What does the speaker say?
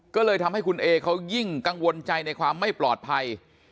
ก็เลยทำให้คุณเอเขายิ่งกังวลใจในความไม่ปลอดภัย